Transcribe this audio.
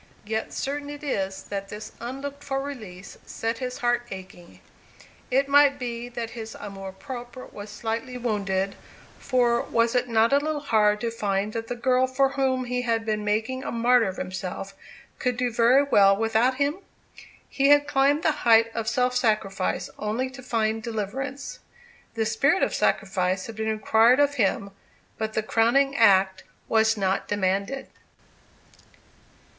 Yet certain it is that this unlooked for release set his heart aching; it might be that his amour propre was slightly wounded, for was it not a little hard to find that the girl for whom he had been making a martyr of himself could do very well without him? He had climbed the height of self sacrifice only to find deliverance. The spirit of sacrifice had been required of him, but the crowning act was not demanded.